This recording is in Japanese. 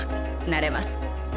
なれます。